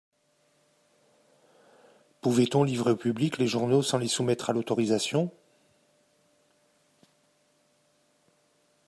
Pouvait-on livrer au public les journaux sans les soumettre à l'autorisation?